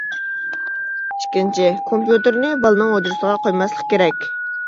ئىككىنچى، كومپيۇتېرنى بالىنىڭ ھۇجرىسىغا قويماسلىق كېرەك.